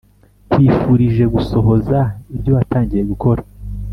Nkwifurije gusohoza ibyo watangiye gukora